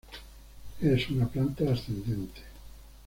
Es una planta ascendente.